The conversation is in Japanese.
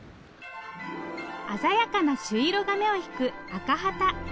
鮮やかな朱色が目を引くアカハタ。